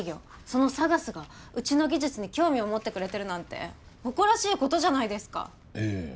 そのＳＡＧＡＳがうちの技術に興味を持ってくれてるなんて誇らしいことじゃないですかええ